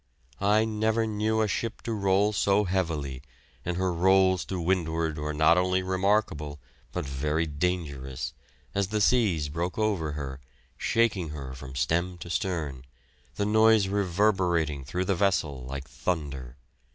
I never knew a ship to roll so heavily, and her rolls to windward were not only remarkable but very dangerous, as the seas broke over her, shaking her from stem to stern, the noise reverberating through the vessel like thunder.